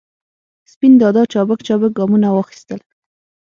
سپین دادا چابک چابک ګامونه واخستل.